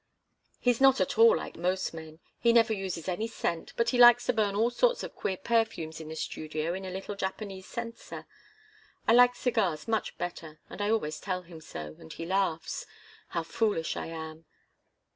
He's not at all like most men. He never uses any scent, but he likes to burn all sorts of queer perfumes in the studio in a little Japanese censer. I like cigars much better, and I always tell him so, and he laughs. How foolish I am!"